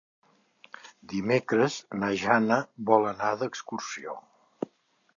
Dimecres na Jana vol anar d'excursió.